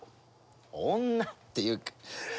女っていうか。